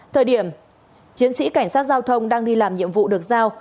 thời điểm chiến sĩ cảnh sát giao thông đang đi làm nhiệm vụ được giao